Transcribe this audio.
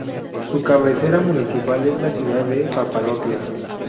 Su cabecera municipal es la ciudad de Papalotla.